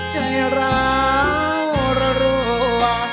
ใจร้าวรัว